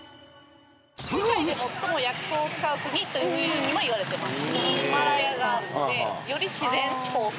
世界で最も薬草を使う国というふうにもいわれてます。